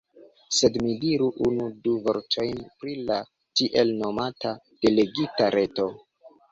Sed mi diru unu-du vortojn pri la tiel-nomata "Delegita Reto".